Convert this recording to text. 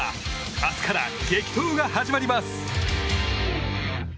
明日から激闘が始まります。